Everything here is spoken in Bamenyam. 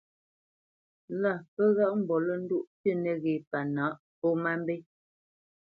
Lâ pə́ ghaʼ mbolendoʼ pí nəghé pâ nǎʼ pó má mbé.